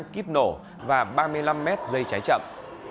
một trăm linh kíp nổ và ba mươi năm m dây trái chậm